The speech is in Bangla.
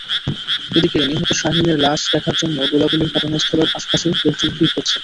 এদিকে নিহত শাহীনের লাশ দেখার জন্য গোলাগুলির ঘটনাস্থলের আশপাশের লোকজন ভিড় করে।